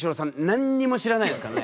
何にも知らないですからね。